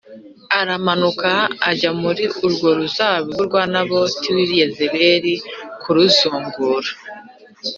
aramanuka ajya muri urwo ruzabibu rwa Naboti w’i Yezerēli kuruzungura